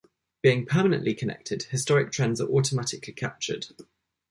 Being permanently connected, historic trends are automatically captured.